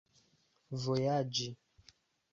vojaĝi